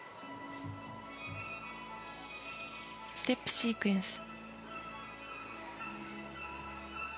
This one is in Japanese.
ステップシークエンス。